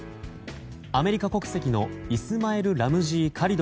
アメリカ国籍の、イスマエル・ラムジー・カリド